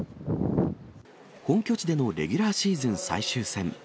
本拠地でのレギュラーシーズン最終戦。